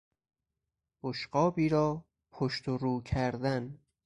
بشقابی را پشت و رو کردن